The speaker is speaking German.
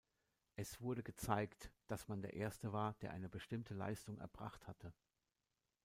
Es wurde gezeigt, dass man der Erste war, der eine bestimmte Leistung erbracht hatte.